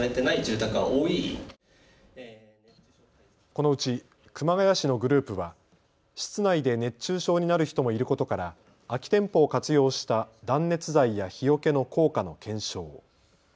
このうち熊谷市のグループは室内で熱中症になる人もいることから空き店舗を活用した断熱材や日よけの効果の検証。